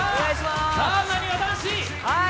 なにわ男子！